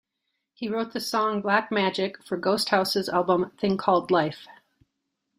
He wrote the song "Black Magic" for Ghosthouse's album "Thing Called Life".